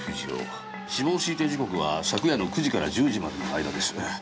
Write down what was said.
死亡推定時刻は昨夜の９時から１０時までの間です。